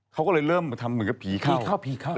เขาก็เลยเริ่มทำเหมือนกับผีเข้าผีเข้า